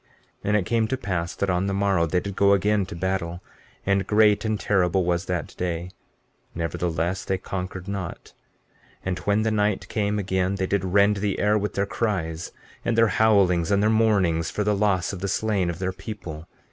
15:17 And it came to pass that on the morrow they did go again to battle, and great and terrible was that day; nevertheless, they conquered not, and when the night came again they did rend the air with their cries, and their howlings, and their mournings, for the loss of the slain of their people.